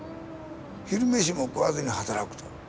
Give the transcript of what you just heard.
昼飯も食わずに働くと。